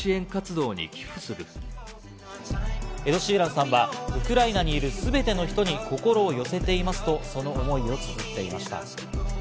エド・シーランさんは、ウクライナにいる全ての人に心を寄せていますと、その思いをつづっていました。